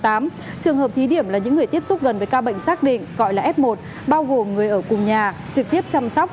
trường hợp thí điểm là những người tiếp xúc gần với ca bệnh xác định gọi là f một bao gồm người ở cùng nhà trực tiếp chăm sóc